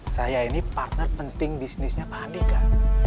saya ini partner penting bisnisnya pak andika